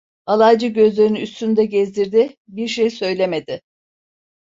Alaycı gözlerini üstümde gezdirdi. Bir şey söylemedi.